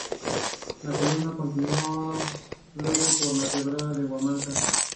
La columna continuó luego por la quebrada de Humahuaca.